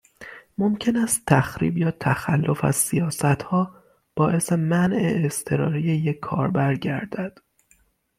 ممکن است تخریب یا تخلف از سیاستها، باعث منع اضطراری یک کاربر گردد.